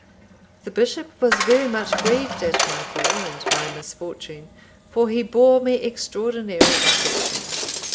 The bishop was very much grieved at my fall and my misfortune, for he bore me extraordinary affection.